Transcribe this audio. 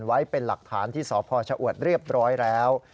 ไว้เป็นหลักฐานที่สพชะอวดเรียบร้อยแล้ว